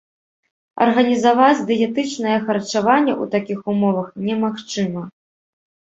Арганізаваць дыетычнае харчаванне ў такіх умовах немагчыма.